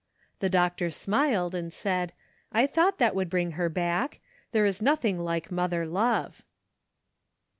The doctor smiled and said, ' I thought that would bring her back; there is nothing like mother love.'